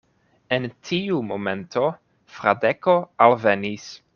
En tiu momento Fradeko alvenis.